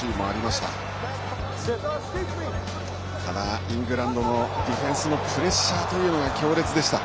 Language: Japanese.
ただ、イングランドのディフェンスのプレッシャーが強烈でした。